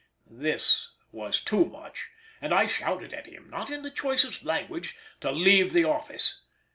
This was too much, and I shouted at him, not in the choicest language, to leave the office.